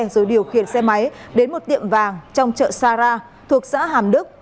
rồi điều khiển xe máy đến một tiệm vàng trong chợ sarah thuộc xã hàm đức